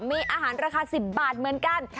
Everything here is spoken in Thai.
มีอาหารราคา๑๐บาทเหมือนกัน